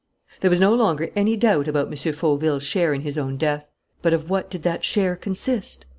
There was no longer any doubt about M. Fauville's share in his own death. But of what did that share consist?